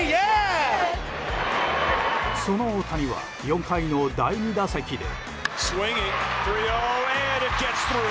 その大谷は４回の第２打席で。